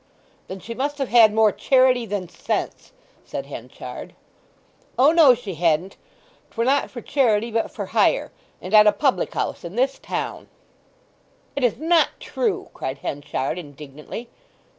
"Then she must have had more charity than sense," said Henchard. "O no, she hadn't. 'Twere not for charity but for hire; and at a public house in this town!" "It is not true!" cried Henchard indignantly.